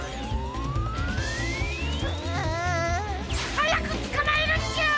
はやくつかまえるんじゃ！